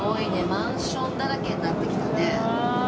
マンションだらけになってきたね。